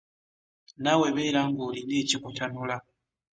Naawe beera ng'olina ekikutanula.